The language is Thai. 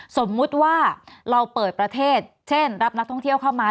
สมมุติว่าเราเปิดประเทศเช่นรับนักท่องเที่ยวเข้ามา